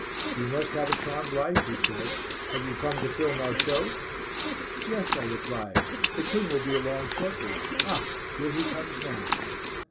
"You must have a charmed life," he said. "Have you come to film our show?" "Yes," I replied. "The King will be along shortly. Ah! here he comes now."